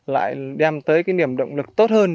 lại đem tới cái niềm động lực tốt hơn